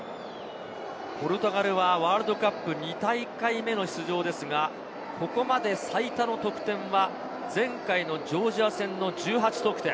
ポルトガルはワールドカップ２大会目の出場ですが、ここまで最多の得点は前回のジョージア戦の１８得点。